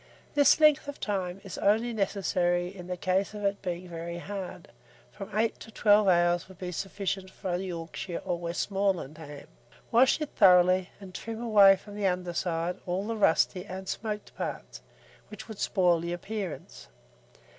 This length of time is only necessary in the case of its being very hard; from 8 to 12 hours would be sufficient for a Yorkshire or Westmoreland ham. Wash it thoroughly clean, and trim away from the under side, all the rusty and smoked parts, which would spoil the appearance.